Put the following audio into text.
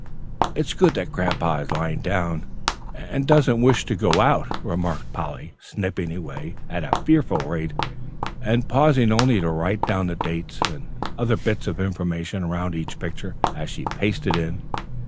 "It's good that Grandpapa is lying down and doesn't wish to go out," remarked Polly, snipping away at a fearful rate, and pausing only to write down the dates and other bits of information around each picture, as she pasted it in.